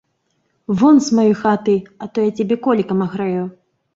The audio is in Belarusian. Вон з маёй хаты, а то я цябе колікам агрэю.